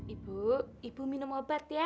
ibu ibu minum obat ya